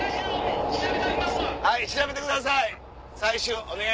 調べてください